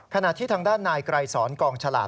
ขณะที่ทางด้านนายไกรสอนกองฉลาด